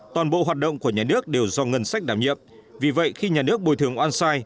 toàn bộ hoạt động của nhà nước đều do ngân sách đảm nhiệm vì vậy khi nhà nước bồi thường oan sai